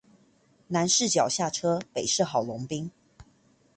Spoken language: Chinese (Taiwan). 南勢角下車，北市郝龍斌